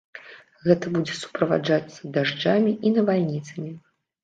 Гэта будзе суправаджацца дажджамі і навальніцамі.